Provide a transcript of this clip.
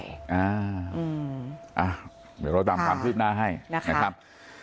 เดี๋ยวเราตามความคืบหน้าให้นะครับ